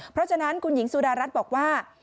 เพราะฉะนั้นคุณหญิงสุดารัฐบอกว่า